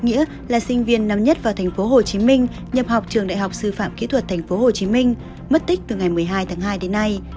nghĩa là sinh viên nóng nhất vào tp hcm nhập học trường đại học sư phạm kỹ thuật tp hcm mất tích từ ngày một mươi hai tháng hai đến nay